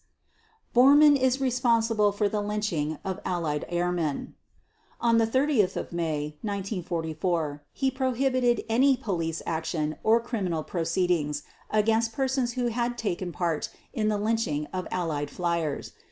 Bormann is responsible for the lynching of Allied airmen. On 30 May 1944 he prohibited any police action or criminal proceedings against persons who had taken part in the lynching of Allied fliers.